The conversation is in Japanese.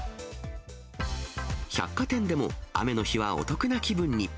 百貨店でも、雨の日はお得な気分に。